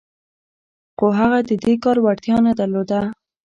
خو هغه د دې کار وړتيا نه درلوده.